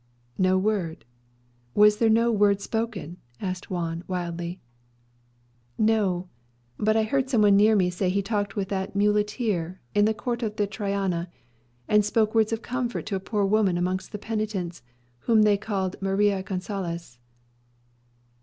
"No word! Was there no word spoken?" asked Juan wildly. "No; but I heard some one near me say that he talked with that muleteer in the court of the Triana, and spoke words of comfort to a poor woman amongst the penitents, whom they called Maria Gonsalez."